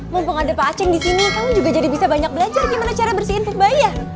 mumpung ada pak aceh di sini kamu juga jadi bisa banyak belajar gimana cara bersihin pup bayi ya